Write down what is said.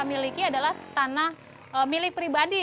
miliki adalah tanah milik pribadi